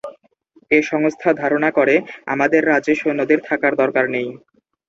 এ সংস্থা ধারনা করে, আমাদের রাজ্যে সৈন্যদের থাকার দরকার নেই।